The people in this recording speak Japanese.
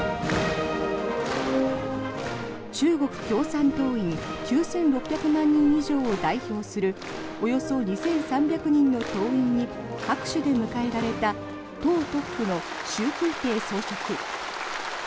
中国共産党員９６００万人以上を代表するおよそ２３００人の党員に拍手で迎えらえた党トップの習近平総書記。